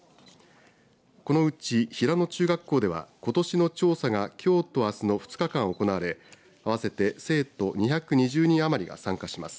このうち平野中学校ではことしの調査がきょうとあすの２日間行われ合わせて生徒２２０人余りが参加します。